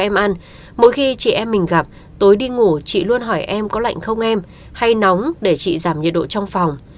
mỗi khi chị em mình gặp tối đi ngủ chị luôn hỏi em có lạnh không em hay nóng để chị giảm nhiệt độ trong phòng